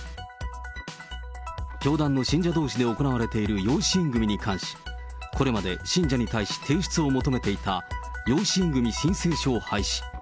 教団の信者どうしで行われている養子縁組に関し、これまで信者に対し、提出を求めていた、養子縁組申請書を廃止。